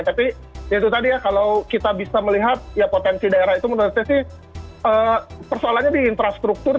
tapi ya itu tadi ya kalau kita bisa melihat ya potensi daerah itu menurut saya sih persoalannya di infrastruktur